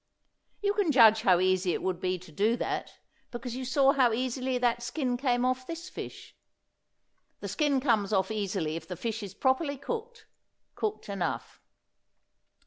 You can judge how easy it would be to do that, because you saw how easily that skin came off this fish. The skin comes off easily if the fish is properly cooked cooked enough.